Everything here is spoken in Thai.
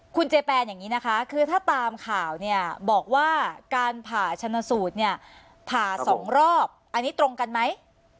คุณเจแปนอย่างนี้นะคะคือถ้าตามข่าวเนี่ยบอกว่าการผ่าชนสูตรเนี่ยผ่า๒รอบอันนี้ตรงกันไหม